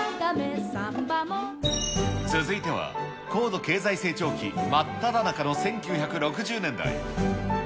続いては、高度経済成長期真っただ中の１９６０年代。